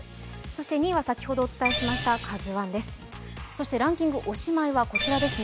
そして２位は先ほどお伝えしました「ＫＡＺＵⅠ」です。